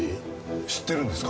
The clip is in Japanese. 知ってるんですか？